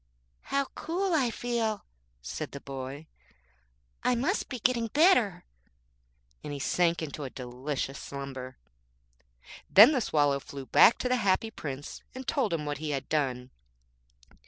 'How cool I feel,' said the boy, 'I must be getting better;' and he sank into a delicious slumber. < 5 > Then the Swallow flew back to the Happy Prince, and told him what he had done.